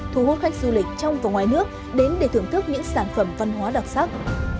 thu hút khách du lịch trong và ngoài nước đến để thưởng thức những sản phẩm văn hóa đặc sắc